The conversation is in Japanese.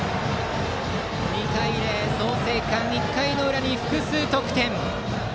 ２対０、創成館１回の裏に複数得点。